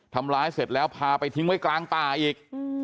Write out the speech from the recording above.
ทำร้ายเสร็จแล้วพาไปทิ้งไว้กลางป่าอีก